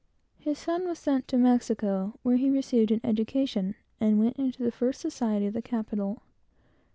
His son was sent to Mexico, where he received the best education, and went into the first society of the capital.